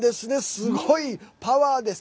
すごいパワーなんです。